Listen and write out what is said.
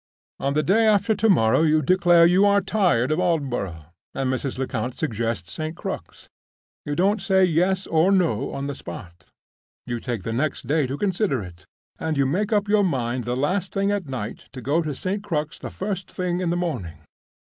On the day after to morrow you declare you are tired of Aldborough, and Mrs. Lecount suggests St. Crux. You don't say yes or no on the spot; you take the next day to consider it, and you make up your mind the last thing at night to go to St. Crux the first thing in the morning.